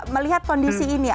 melihat kondisi ini apa